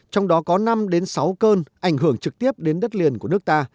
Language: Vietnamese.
trong đó có năm đến sáu cơn ảnh hưởng trực tiếp đến đất liền của nước ta